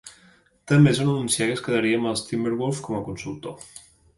També es va anunciar que es quedaria amb els Timberwolves com a consultor.